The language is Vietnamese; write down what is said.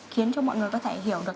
khiến cho mọi người có thể hiểu được